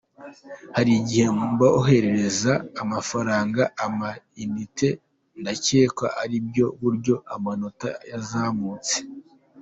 Hari igihe mboherereza amafaranga, ama-unites, ndacyeka ari bwo buryo amanota yazamutse”.